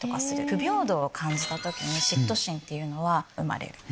不平等を感じた時に嫉妬心っていうのは生まれる。